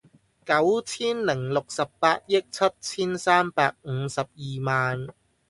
九千零六十八億七千三百五十二萬